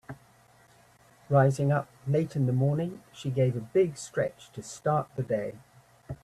Rising up late in the morning she gave a big stretch to start the day.